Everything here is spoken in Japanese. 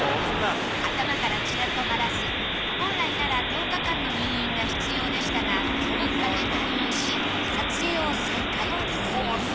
頭から血が止まらず本来なら１０日間の入院が必要でしたが３日で退院し撮影を再開。